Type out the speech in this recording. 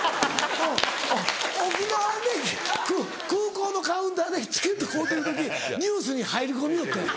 沖縄で空港のカウンターでチケット買うてる時ニュースに入り込みよったんや。